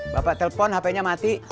bapak telpon hpnya mati